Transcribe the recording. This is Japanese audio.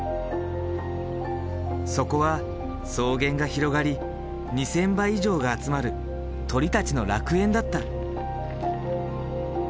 そこは草原が広がり２，０００羽以上が集まる鳥たちの楽園だった。